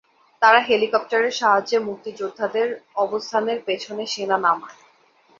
তারা হেলিকপ্টারের সাহায্যে মুক্তিযোদ্ধাদের অবস্থানের পেছনে সেনা নামায়।